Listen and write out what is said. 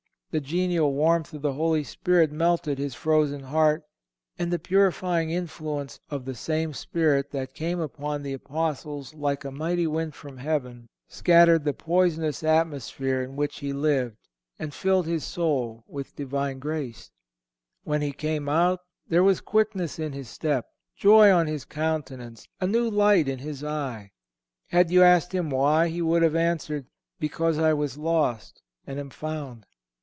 The genial warmth of the Holy Spirit melted his frozen heart, and the purifying influence of the same Spirit that came on the Apostles, "like a mighty wind from heaven," scattered the poisonous atmosphere in which he lived and filled his soul with Divine grace. When he came out there was quickness in his step, joy on his countenance, a new light in his eye. Had you asked him why, he would have answered: "Because I was lost, and am found.